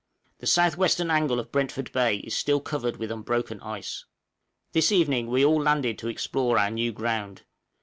The south western angle of Brentford Bay is still covered with unbroken ice. This evening we all landed to explore our new ground.